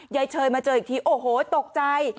เชยมาเจออีกทีโอ้โหตกใจ